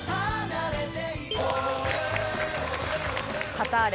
カターレ